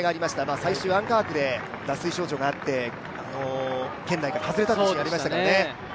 最終アンカー区で脱水症状があって圏内から外れた年がありましたからね。